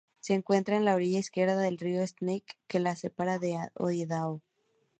Se encuentra a la orilla izquierda del río Snake, que la separa de Idaho.